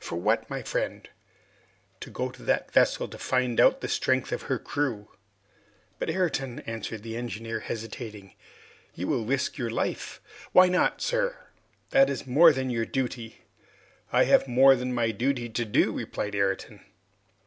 "For what, my friend?" "To go to that vessel to find out the strength of her crew." "But Ayrton " answered the engineer, hesitating, "you will risk your life " "Why not, sir?" "That is more than your duty." "I have more than my duty to do," replied Ayrton.